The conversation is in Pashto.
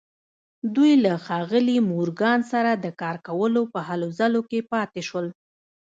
دوی له ښاغلي مورګان سره د کار کولو په هلو ځلو کې پاتې شول